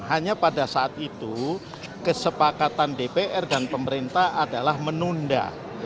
hanya pada saat itu kesepakatan dpr dan pemerintah adalah menunda